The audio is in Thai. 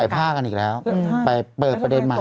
นี่มันสงสัยภากันอีกแล้วเปิดประเด็มใหม่